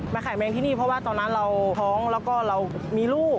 ขายแมงที่นี่เพราะว่าตอนนั้นเราท้องแล้วก็เรามีลูก